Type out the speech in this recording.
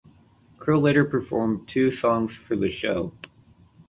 Crowe later performed two songs for the show.